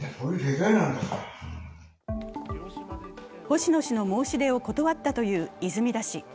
星野氏の申し出を断ったという泉田氏。